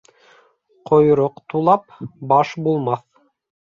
Ҡойроҡ тулап баш булмаҫ.